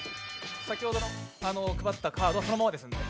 先ほど配ったカードそのままです。